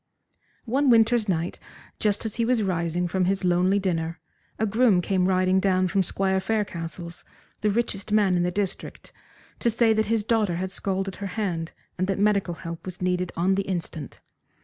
One winter's night, just as he was rising from his lonely dinner, a groom came riding down from Squire Faircastle's, the richest man in the district, to say that his daughter had scalded her hand, and that medical help was needed on the instant.